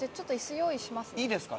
いいですか？